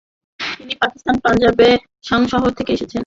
যিনি পাকিস্তানের পাঞ্জাবের ঝাং শহর থেকে এসেছেন।